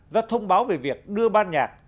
ra thông báo về việc đưa ban nhạc